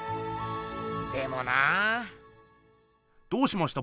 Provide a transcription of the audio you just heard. でもなぁ。どうしました？